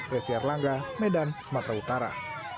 resi erlangga medan sumatera utara